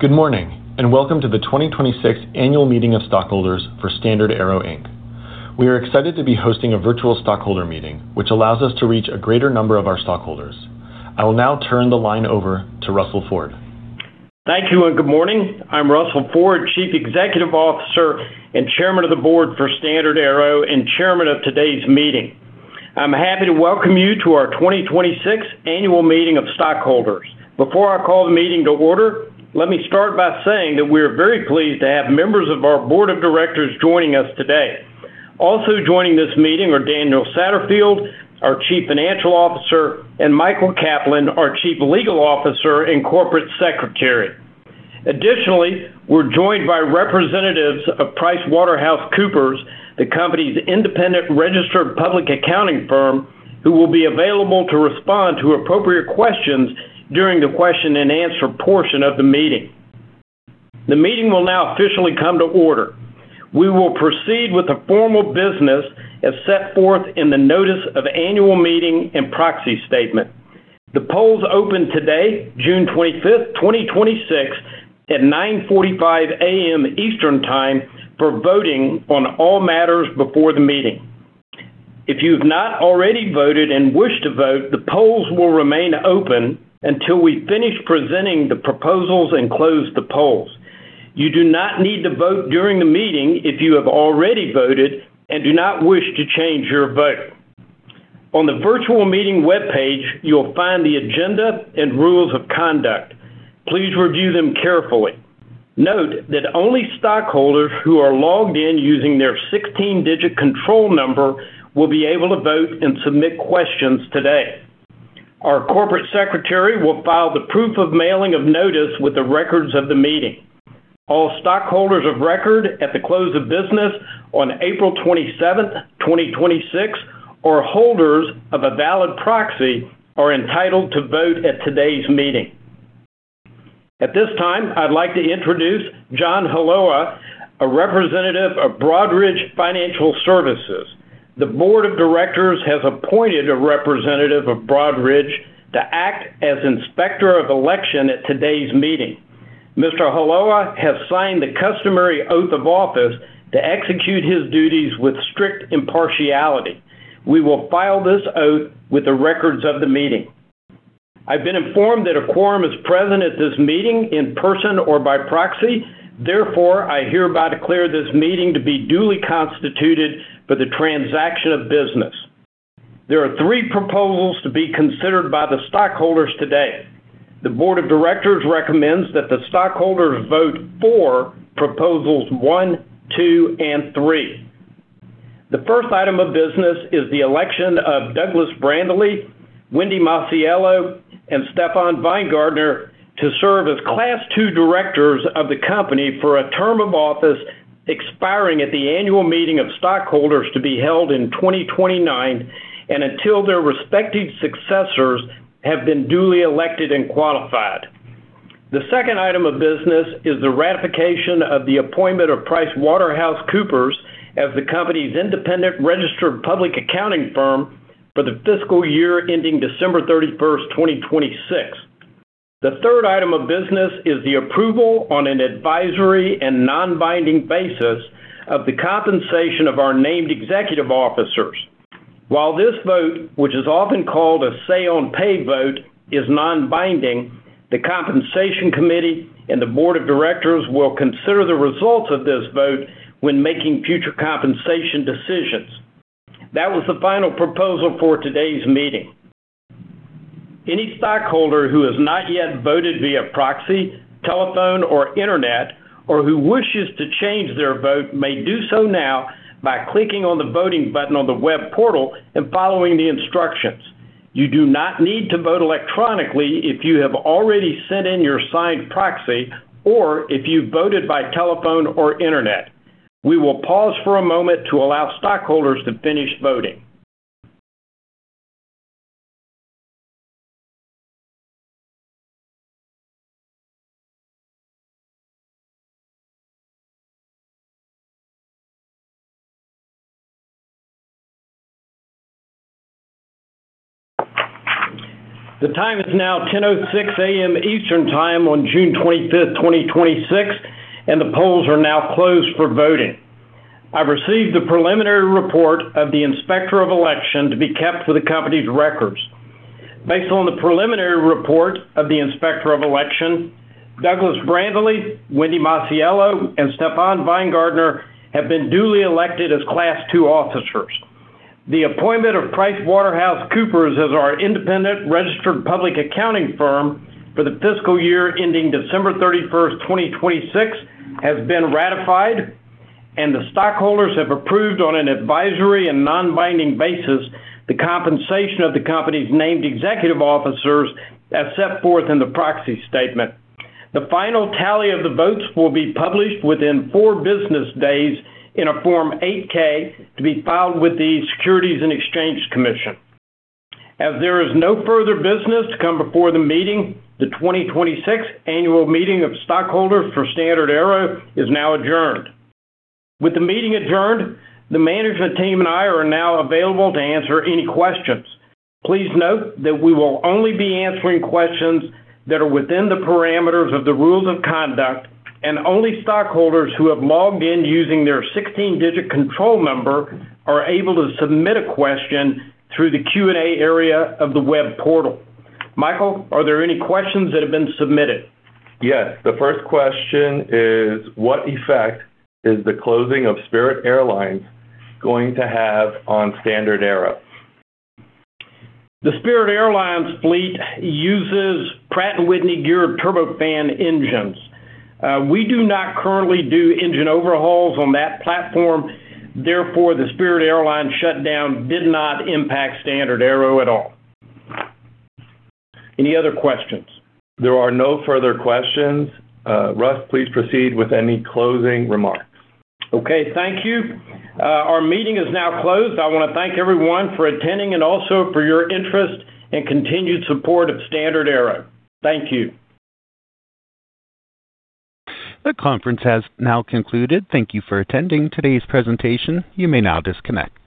Good morning, welcome to the 2026 Annual Meeting of Stockholders for StandardAero, Inc. We are excited to be hosting a virtual stockholder meeting, which allows us to reach a greater number of our stockholders. I will now turn the line over to Russell Ford. Thank you, good morning. I'm Russell Ford, Chief Executive Officer and Chairman of the Board for StandardAero, and chairman of today's meeting. I'm happy to welcome you to our 2026 Annual Meeting of Stockholders. Before I call the meeting to order, let me start by saying that we are very pleased to have members of our Board of Directors joining us today. Also joining this meeting are Daniel Satterfield, our Chief Financial Officer, and Michael Kaplan, our Chief Legal Officer and Corporate Secretary. Additionally, we're joined by representatives of PricewaterhouseCoopers, the company's independent registered public accounting firm, who will be available to respond to appropriate questions during the question and answer portion of the meeting. The meeting will now officially come to order. We will proceed with the formal business as set forth in the Notice of Annual Meeting and Proxy Statement. The polls open today, June 25th, 2026, at 9:45 A.M. Eastern Time for voting on all matters before the meeting. If you've not already voted and wish to vote, the polls will remain open until we finish presenting the proposals and close the polls. You do not need to vote during the meeting if you have already voted and do not wish to change your vote. On the virtual meeting webpage, you'll find the agenda and rules of conduct. Please review them carefully. Note that only stockholders who are logged in using their 16-digit control number will be able to vote and submit questions today. Our corporate secretary will file the proof of mailing of notice with the records of the meeting. All stockholders of record at the close of business on April 27th, 2026, or holders of a valid proxy are entitled to vote at today's meeting. At this time, I'd like to introduce John Halowa, a representative of Broadridge Financial Services. The Board of Directors has appointed a representative of Broadridge to act as Inspector of Election at today's meeting. Mr. Halowa has signed the customary oath of office to execute his duties with strict impartiality. We will file this oath with the records of the meeting. I've been informed that a quorum is present at this meeting in person or by proxy. Therefore, I hereby declare this meeting to be duly constituted for the transaction of business. There are three proposals to be considered by the stockholders today. The Board of Directors recommends that the stockholders vote for Proposals one, two, and three. The first item of business is the election of Douglas Brandely, Wendy Masiello, and Stefan Weingartner to serve as Class II Directors of the company for a term of office expiring at the annual meeting of stockholders to be held in 2029 and until their respective successors have been duly elected and qualified. The second item of business is the ratification of the appointment of PricewaterhouseCoopers as the company's independent registered public accounting firm for the fiscal year ending December 31st, 2026. The third item of business is the approval on an advisory and non-binding basis of the compensation of our named executive officers. While this vote, which is often called a say-on-pay vote, is non-binding, the Compensation Committee and the Board of Directors will consider the results of this vote when making future compensation decisions. That was the final proposal for today's meeting. Any stockholder who has not yet voted via proxy, telephone, or internet, or who wishes to change their vote, may do so now by clicking on the voting button on the web portal and following the instructions. You do not need to vote electronically if you have already sent in your signed proxy or if you voted by telephone or internet. We will pause for a moment to allow stockholders to finish voting. The time is now 10:06 A.M. Eastern Time on June 25th, 2026, and the polls are now closed for voting. I've received a preliminary report of the Inspector of Election to be kept for the company's records. Based on the preliminary report of the Inspector of Election, Douglas Brandely, Wendy Masiello, and Stefan Weingartner have been duly elected as Class II officers. The appointment of PricewaterhouseCoopers as our independent registered public accounting firm for the fiscal year ending December 31st, 2026, has been ratified, and the stockholders have approved on an advisory and non-binding basis the compensation of the company's named executive officers as set forth in the proxy statement. The final tally of the votes will be published within four business days in a Form 8-K to be filed with the Securities and Exchange Commission. As there is no further business to come before the meeting, the 2026 Annual Meeting of Stockholders for StandardAero is now adjourned. With the meeting adjourned, the management team and I are now available to answer any questions. Please note that we will only be answering questions that are within the parameters of the rules of conduct, and only stockholders who have logged in using their 16-digit control number are able to submit a question through the Q&A area of the web portal are there any questions that have been submitted? Yes. The first question is, "What effect is the closing of Spirit Airlines going to have on StandardAero? The Spirit Airlines fleet uses Pratt & Whitney geared turbofan engines. We do not currently do engine overhauls on that platform. Therefore, the Spirit Airlines shutdown did not impact StandardAero at all. Any other questions? There are no further questions. Russ, please proceed with any closing remarks. Okay. Thank you. Our meeting is now closed. I want to thank everyone for attending and also for your interest and continued support of StandardAero. Thank you. The conference has now concluded. Thank you for attending today's presentation. You may now disconnect.